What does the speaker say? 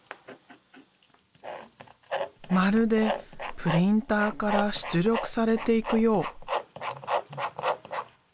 まるでプリンターから出力されていくよう。